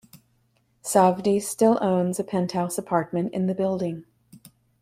Safdie still owns a penthouse apartment in the building.